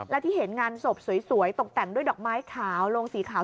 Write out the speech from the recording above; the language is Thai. และที่เห็นงานศพสวยตกแต่งด้วยดอกไม้ขาวโรงสีขาว